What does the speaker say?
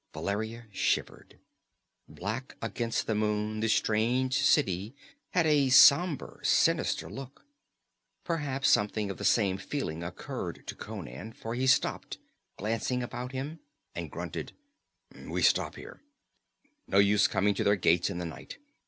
Valeria shivered. Black against the moon the strange city had a somber, sinister look. Perhaps something of the same feeling occurred to Conan, for he stopped, glanced about him, and grunted: "We stop here. No use coming to their gates in the night.